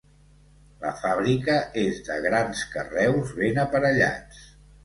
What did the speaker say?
La fàbrica és de grans carreus, ben aparellats.